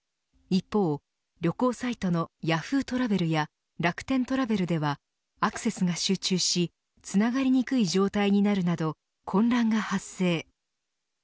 一方、旅行サイトのＹａｈｏｏ！トラベルや楽天トラベルではアクセスが集中しつながりにくい状態になるなど混乱が発生。